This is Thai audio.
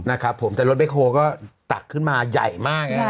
นะครับผมแต่รถเบคโครก็ตักขึ้นมาใหญ่มาก